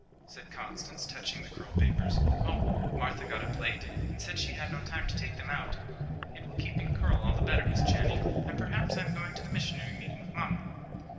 said Constance, touching the curl papers. "Oh, Martha got up late, and said she had no time to take them out. It will keep in curl all the better, Miss Channing; and perhaps I am going to the missionary meeting with mamma."